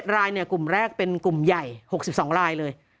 รายกลุ่มแรกเป็นกลุ่มใหญ่๖๒รายเลย